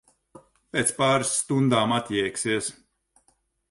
Pēc pāris stundām atjēgsies.